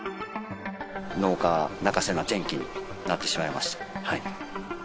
農家泣かせの天気になってしまいました。